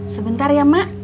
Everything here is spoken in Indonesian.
sebentar ya mak